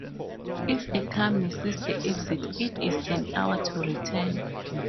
If a car misses the exit, it is an hour to return.